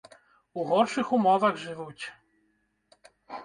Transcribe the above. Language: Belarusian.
У горшых умовах жывуць.